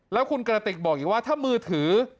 แล้วคุณกระติกบอกอีกว่าถ้ามือถือ